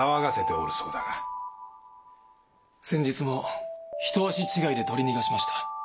先日も一足違いで取り逃がしました。